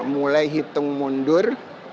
mulai hitung mundur